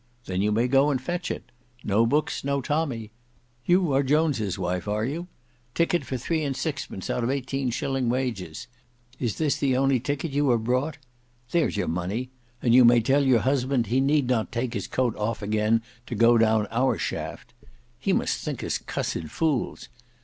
Then you may go and fetch it. No books, no tommy. You are Jones's wife, are you? Ticket for three and sixpence out of eighteen shillings wages. Is this the only ticket you have brought? There's your money; and you may tell your husband he need not take his coat off again to go down our shaft. He must think us cussed fools!